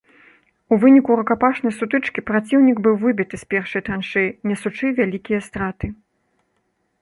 У выніку рукапашнай сутычкі праціўнік быў выбіты з першай траншэі, нясучы вялікія страты.